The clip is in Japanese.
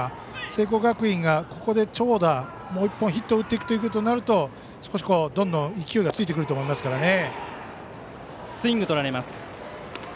聖光学院がここで長打もう１本、ヒットを打っていくとどんどん勢いがついてくると思いますからね。